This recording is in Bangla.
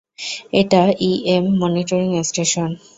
এটা ইএম মনিটরিং স্টেশন।